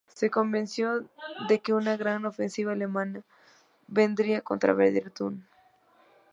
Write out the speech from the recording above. Se convenció de que una gran ofensiva alemana vendría contra Verdún.